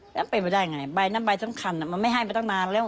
แล้วเป็นไปได้ไงใบน้ำใบสำคัญมันไม่ให้มาตั้งนานแล้ว